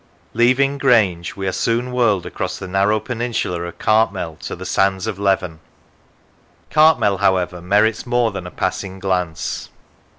Leaving Grange, we are soon whirled across the narrow peninsula of Cartmel to the sands of Leven. Cartmel, however, merits more than a passing glance.